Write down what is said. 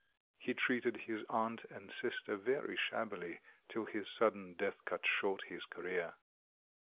He treated his aunt and sister very shabbily till his sudden death cut short his career.